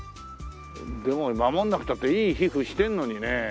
でも守んなくたっていい皮膚してんのにね。